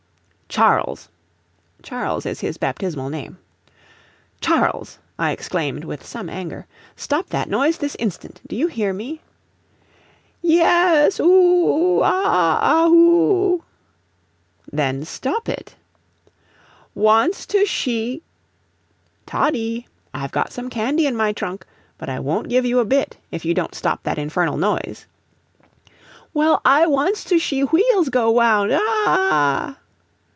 "Charles" (Charles is his baptismal name), "Charles," I exclaimed with some anger, "stop that noise this instant! Do you hear me?" "Yes oo oo oo ahoo ahoo." "Then stop it." "Wants to shee " "Toddie, I've got some candy in my trunk, but I won't give you a bit if you don't stop that infernal noise." "Well, I wants to shee wheels go wound. Ah ah h h h h!"